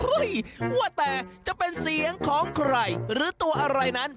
ว่าแต่จะเป็นเสียงของใครหรือตัวอะไรนั้น